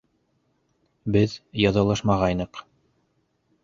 Беҙ яҙылышмағайныҡ.